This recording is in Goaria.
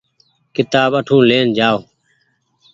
ڪيتآب اٺو لين جآئو۔